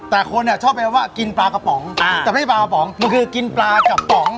แต่คนชอบไปว่ากินปลากระป๋องแต่ไม่ได้ปลากระป๋องมันคือกินปลากระป๋อง